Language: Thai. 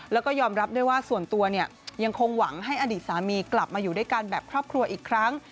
แล้วก็ยอมรับด้วยว่าส่วนตัวเนี่ยยังคงหวังให้อดีตสามีกลับมาอยู่ด้วยกันแบบครอบครัวอีกครั้ง